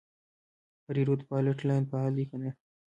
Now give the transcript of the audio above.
هریرود فالټ لاین فعال دی که نه؟